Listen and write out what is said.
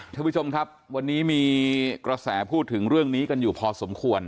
ท่านผู้ชมครับวันนี้มีกระแสพูดถึงเรื่องนี้กันอยู่พอสมควร